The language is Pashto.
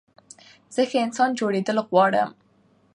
زه ښه انسان جوړېدل غواړم.